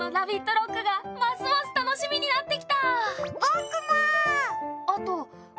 ＲＯＣＫがますます楽しみになってきた。